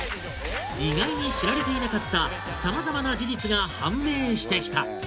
意外に知られていなかったさまざまな事実が判明してきた！